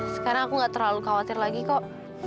sekarang aku gak terlalu khawatir lagi kok